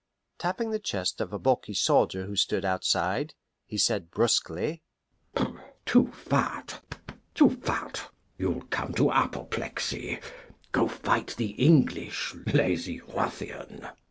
Tapping the chest of a bulky soldier who stood outside, he said brusquely, "Too fat, too fat; you'll come to apoplexy. Go fight the English, lazy ruffian!"